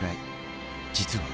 実は。